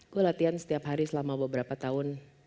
gue latihan setiap hari selama beberapa tahun